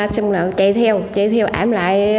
xong rồi chạy theo chạy theo ảm lại